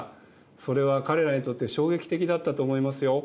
それは彼らにとって衝撃的だったと思いますよ。